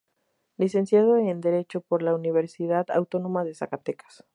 Licenciado en Derecho por la Universidad Autónoma de Zacatecas.